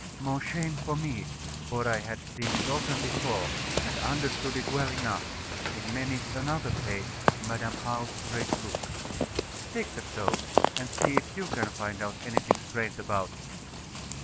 More shame for me, for I had seen it often before, and understood it well enough, in many another page of Madam How's great book. Take the stone, and see if you can find out anything strange about it.